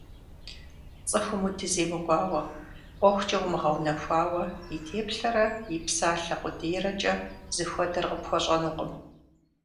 ЦӀыхум удыземыкӀуауэ, ӀуэхукӀэ умыгъэунэхуауэ, и теплъэрэ и псалъэ къудейрэкӀэ зыхуэдэр къыпхуэщӀэнукъым.